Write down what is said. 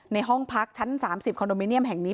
ในห้องพักชั้น๓๐คอนโดมิเนียมแห่งนี้